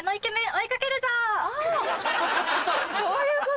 そういうこと？